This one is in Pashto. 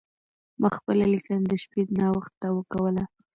ما خپله لیکنه د شپې ناوخته کوله.